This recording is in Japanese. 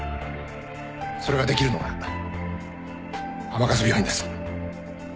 それができるのが甘春病院です